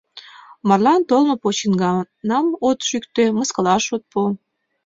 Марлан толмо почиҥганам от шӱктӧ, мыскылаш от пу!